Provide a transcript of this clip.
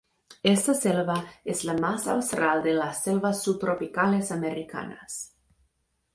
Esta selva es la más austral de las selvas subtropicales americanas.